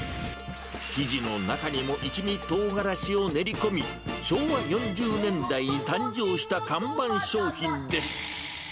生地の中にも一味トウガラシを練り込み、昭和４０年代に誕生した看板商品です。